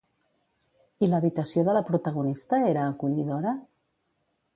I l'habitació de la protagonista era acollidora?